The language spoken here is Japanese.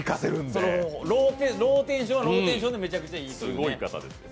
そう、ローテンションはローテンションでめちゃくちゃいいという。